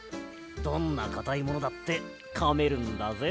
どんなかたいものだってかめるんだぜ。